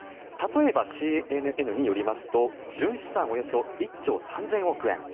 例えばＣＮＮによりますと純資産およそ１兆３０００億円